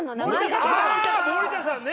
あ森田さんね！